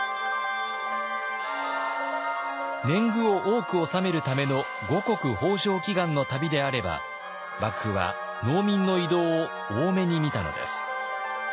年貢を多く納めるための五穀豊穣祈願の旅であれば幕府は農民の移動を大目に見たのです。